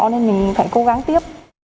nên mình phải cố gắng tiếp